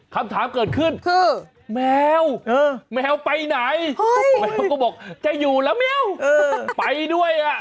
คำถามเกิดขึ้นคือแมวแมวไปไหนแมวก็บอกจะอยู่แล้วแมวไปด้วยอ่ะ